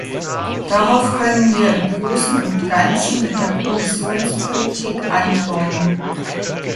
Darauf können wir im Großen und Ganzen mit der Kohäsionspolitik antworten.